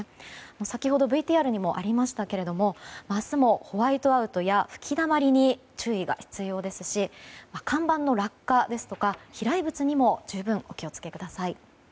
先ほどＶＴＲにもありましたが明日も、ホワイトアウトや吹きだまりに注意が必要ですし看板の落下や飛来物にも十分お気を付けください。